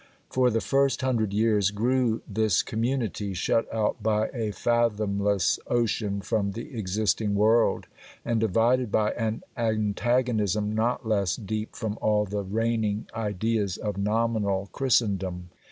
For the first hundred years grew this community, shut out by a fathomless ocean from the existing world, and divided by an antagonism not less deep from all the reigning ideas of nominal Christendom.